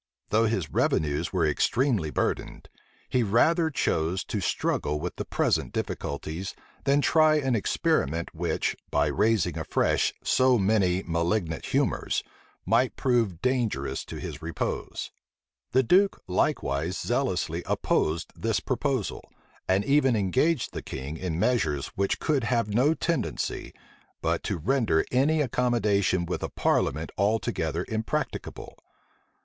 Though his revenues were extremely burdened, he rather chose to struggle with the present difficulties, than try an experiment which, by raising afresh so many malignant humors, might prove dangerous to his repose. The duke likewise zealously opposed this proposal, and even engaged the king in measures which could have no tendency, but to render any accommodation with a parliament altogether impracticable.